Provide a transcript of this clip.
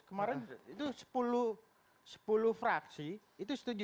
kemarin itu sepuluh fraksi itu setuju